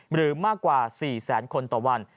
หรือมากกว่า๔แสนคนต่อวัน